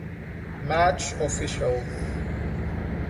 Match officials